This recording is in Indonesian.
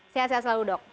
sehat sehat selalu dok